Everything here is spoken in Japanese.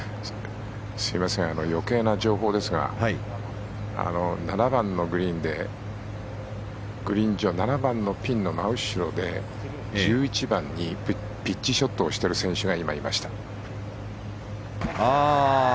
余計な情報ですが７番のグリーンでグリーン上、７番のピンその真後ろで、１１番にピッチショットをしている選手が今、いました。